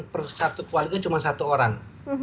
persatu keluarga cuma satu orang